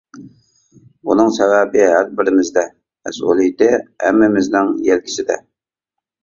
بۇنىڭ سەۋەبى ھەر بىرىمىزدە، مەسئۇلىيىتى ھەممىمىزنىڭ يەلكىسىدە.